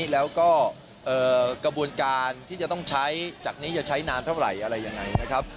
แล้วก็กระบวนการที่จะต้องใช้จากนี้จะใช้นานเท่าไหร่อะไรยังไงนะครับ